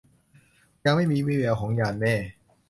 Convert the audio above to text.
ยังไม่มีวี่แววของยานแม่